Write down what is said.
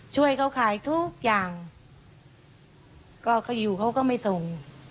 ช่วยเขาขายทุกอย่างก็เขาอยู่เขาก็ไม่ส่ง